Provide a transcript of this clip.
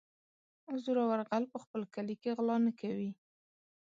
- زورور غل په خپل کلي کې غلا نه کوي.